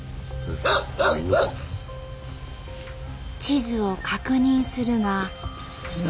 地図を確認するが。